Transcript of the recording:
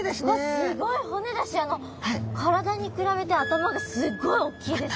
すごい骨だし体に比べて頭がすごい大きいですよね。